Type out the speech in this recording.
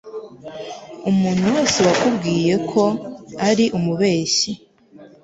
Umuntu wese wakubwiye ko ari umubeshyi